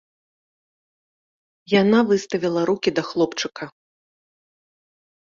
Яна выставіла рукі да хлопчыка.